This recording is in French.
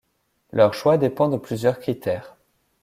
Leur choix dépend de plusieurs critères.